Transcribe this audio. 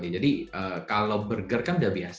jadi kalau burger kan udah biasa